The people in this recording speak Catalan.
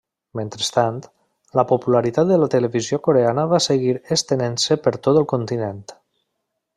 Mentrestant, la popularitat de la televisió coreana va seguir estenent-se per tot el continent.